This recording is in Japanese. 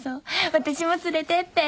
私も連れてって。